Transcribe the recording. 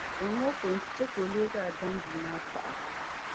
zaŋm’ o kuli nti chɛ ka o leeg’ a dan’ bia maa paɣa.